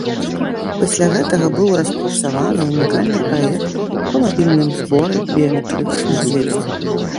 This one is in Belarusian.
Пасля гэтага быў распрацаваны ўнікальны праект па мабільным зборы біяметрычных звестак.